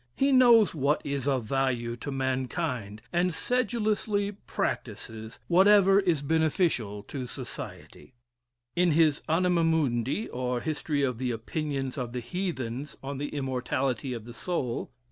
He knows what is of value to mankind, and sedulously practices whatever is beneficial to society. In his "Anima Mundi, or, History of the Opinions of the Heathens on the Immortality of the Soul," (p.